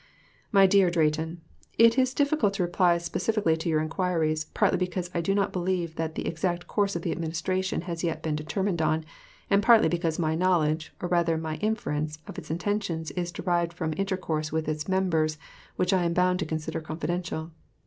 MY DEAR DRAYTON: It is difficult to reply specifically to your inquiries, partly because I do not believe that the exact course of the Administration has been yet determined on, and partly because my knowledge, or rather my inference, of its intentions is derived from intercourse with its members which I am bound to consider confidential.